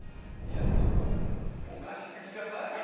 ちょっと、ぼかしすぎじゃない？